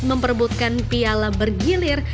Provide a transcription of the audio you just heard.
memperbutkan piala bergilir